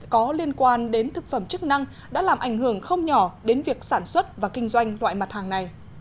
có liên quan đến thực phẩm chức năng đã làm ảnh hưởng không nhỏ đến việc sản xuất và kinh doanh loại mặt hàng này